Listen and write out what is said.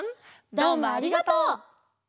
どうもありがとう！